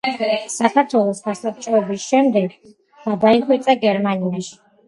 საქართველოს გასაბჭოების შემდეგ გადაიხვეწა გერმანიაში.